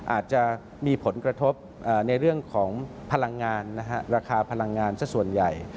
อาจจะมีผลกระทบในเรื่องของพลังงานราคาพลังงานสักส่วนใหญ่